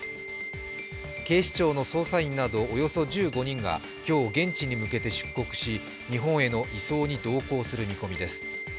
警視庁の捜査員などおよそ１５人が今日、現地に向けて出国し日本への移送に同行する見込みです。